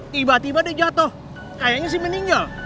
tiba tiba dia jatuh kayaknya sih meninggal